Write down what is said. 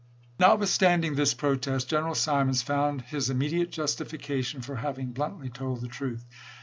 Notwithstanding this protest, General Simons found his immediate justification for having bluntly told the truth.